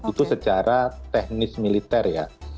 itu secara teknis militer ya